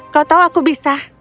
kau tahu aku bisa